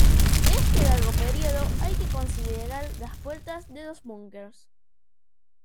De este largo periodo hay que considerar las puertas de los bunkers.